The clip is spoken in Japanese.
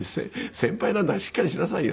「先輩なんだからしっかりしなさいよ」。